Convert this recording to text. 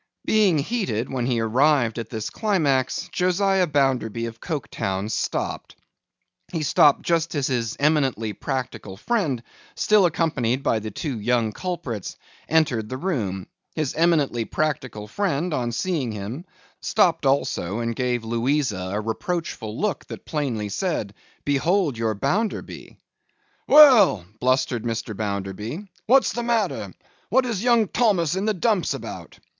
Being heated when he arrived at this climax, Josiah Bounderby of Coketown stopped. He stopped just as his eminently practical friend, still accompanied by the two young culprits, entered the room. His eminently practical friend, on seeing him, stopped also, and gave Louisa a reproachful look that plainly said, 'Behold your Bounderby!' 'Well!' blustered Mr. Bounderby, 'what's the matter? What is young Thomas in the dumps about?